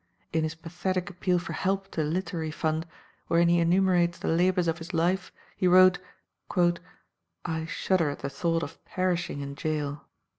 In his pathetic appeal for help to the Literary Fund, wherein he enumerates the labours of his life, he wrote, "I shudder at the thought of perishing in gaol."